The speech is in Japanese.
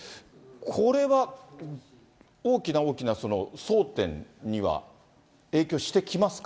これは、大きな大きな争点には影響してきますか。